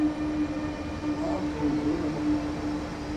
دوی د ژوند له ټولو ښو اسانتیاوو نه ګټه پورته کوي.